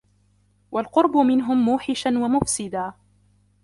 وَالْقُرْبُ مِنْهُمْ مُوحِشًا وَمُفْسِدًا